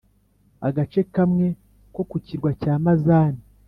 agace kamwe ko ku kirwa cya mazane